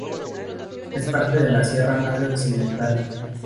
Es parte de la Sierra Madre Occidental.